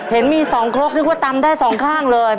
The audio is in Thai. เห็นมี๒ครกนึกว่าตำได้สองข้างเลย